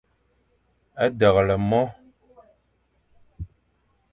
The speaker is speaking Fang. Deghle mo.